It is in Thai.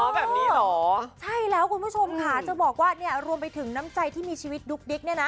แบบนี้เหรอใช่แล้วคุณผู้ชมค่ะจะบอกว่าเนี่ยรวมไปถึงน้ำใจที่มีชีวิตดุ๊กดิ๊กเนี่ยนะ